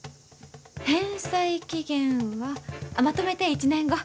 返済期限はまとめて１年後。